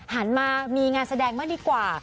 หันมามีงานแสดงบ้างดีกว่า